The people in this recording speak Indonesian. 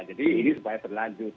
jadi ini supaya berlanjut